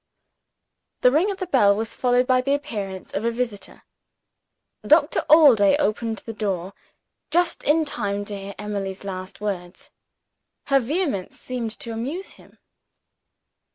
The ring at the bell was followed by the appearance of a visitor. Doctor Allday opened the door, just in time to hear Emily's last words. Her vehemence seemed to amuse him.